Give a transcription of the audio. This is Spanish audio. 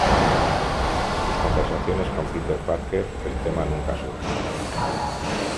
En sus conversaciones con Peter Parker, el tema nunca surge.